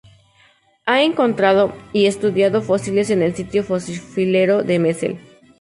Ha encontrado y estudiado fósiles en el sitio fosilífero de Messel.